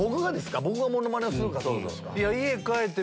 僕がモノマネをするかってことですか？